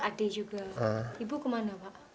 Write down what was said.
adik juga ibu kemana pak